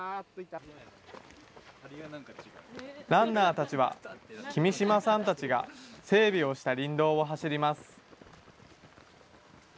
ランナーたちは、君島さんたちが整備をした林道を走ります。